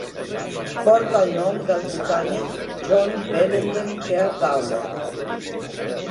Porta el nom del botànic John Bellenden Ker Gawler.